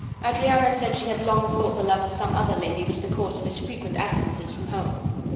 Adriana said she had long thought the love of some other lady was the cause of his frequent absences from home.